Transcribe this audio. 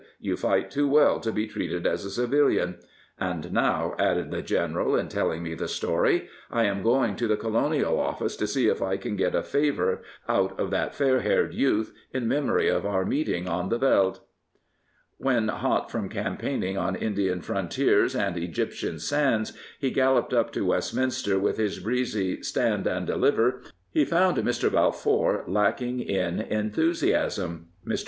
" You fight too well to be treated as a civilian," " And now," added the General in telling me the story, " I am going to the Colonial Office to see if I can get a favour out of that fair haired youth in memory of our meeting on the vddt." 232 Winston Churchill When, hot from campaigning on Indian frontiers and Egyptiein sands, he galloped up to Westminster with his breezy stand and deliver," he found Mr. Balfour lacking in enthusiasm. Mr.